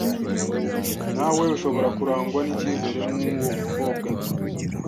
Nawe ushobora kurangwa n icyizere nk uwo mukobwa